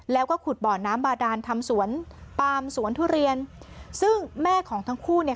แล้วก็ขุดบ่อน้ำบาดานทำสวนปามสวนทุเรียนซึ่งแม่ของทั้งคู่เนี่ย